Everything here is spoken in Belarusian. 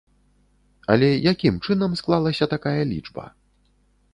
Але якім чынам склалася такая лічба?